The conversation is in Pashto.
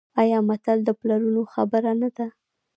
آیا متل د پلرونو خبره نه ده؟